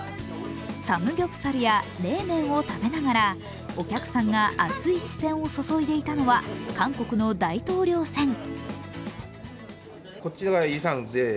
サムギョプサルや冷麺を食べながらお客さんが熱い視線を注いでいたのは韓国の大統領選。